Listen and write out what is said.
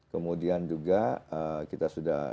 kemudian juga kita sudah